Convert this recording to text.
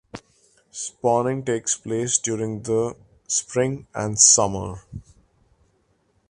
Spawning takes place during the spring and summer.